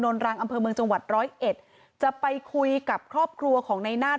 นรังอำเภอเมืองจังหวัดร้อยเอ็ดจะไปคุยกับครอบครัวของนายนาฏ